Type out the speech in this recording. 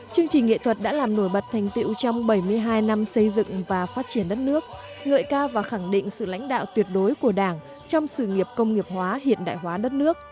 chương trình nghệ thuật đã làm nổi bật thành tiệu trong bảy mươi hai năm xây dựng và phát triển đất nước ngợi ca và khẳng định sự lãnh đạo tuyệt đối của đảng trong sự nghiệp công nghiệp hóa hiện đại hóa đất nước